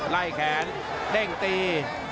ไล่แขนเด้งตี